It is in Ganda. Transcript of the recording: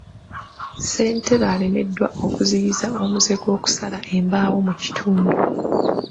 Ssentebe alemereddwa okuziyiza omuze gw'okusala embaawo mu kitundu